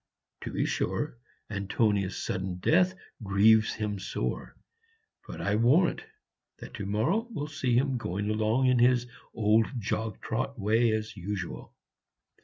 To be sure, Antonia's sudden death grieves him sore, but I warrant that to morrow will see him going along in his old jog trot way as usual."